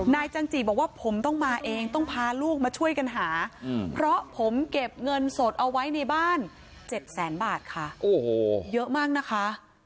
จันจิบอกว่าผมต้องมาเองต้องพาลูกมาช่วยกันหาเพราะผมเก็บเงินสดเอาไว้ในบ้าน๗แสนบาทค่ะโอ้โหเยอะมากนะคะ